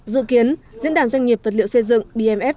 dự kiến diễn đàn doanh nghiệp vật liệu xây dựng bmf hai nghìn một mươi chín